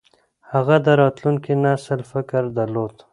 هغه د راتلونکي نسل فکر درلود.